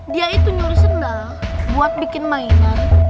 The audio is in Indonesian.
dia itu nyuruh sendal buat bikin mainan